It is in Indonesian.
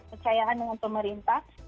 kecayaan dengan pemerintah